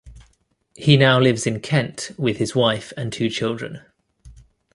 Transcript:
He now lives in Kent with his wife and two children.